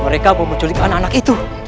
mereka memuculik anak anak itu